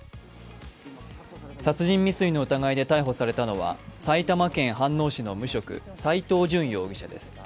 殺人未遂の疑いで逮捕されたのは埼玉県飯能市の無職、斎藤淳容疑者です。